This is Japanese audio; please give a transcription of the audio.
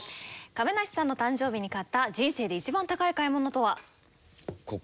亀梨さんの誕生日に買った人生で一番高い買い物とは？